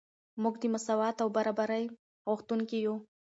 موږ د مساوات او برابرۍ غوښتونکي یو.